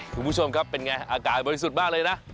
คุณผู้ชมครับเป็นไงอากาศบริสุทธิ์มากเลยนะ